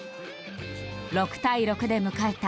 ６対６で迎えた